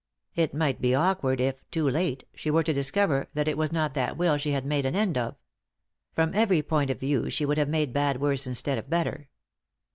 It might be awkward if, too late, she were to discover that it was not that will she had made an end of. From every point of view she would have made bad worse instead of better.